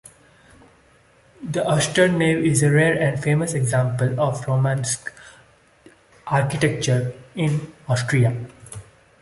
The austere nave is a rare, and famous, example of Romanesque architecture in Austria.